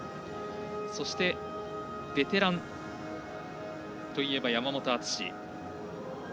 そしてベテランといえば山本篤。